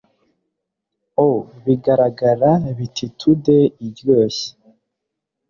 O bigaragara bititude iryoshye